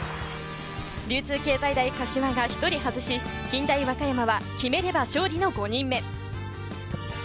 流通経済大柏が１人外し、近大和歌山は決めれば勝利の５人目。